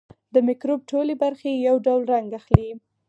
د مکروب ټولې برخې یو ډول رنګ اخلي.